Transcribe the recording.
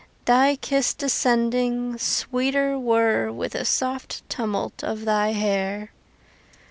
Thy kiss descending Sweeter were With a soft tumult Of thy hair.